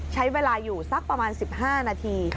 ใช้เวลาอยู่สักประมาณ๑๕นาที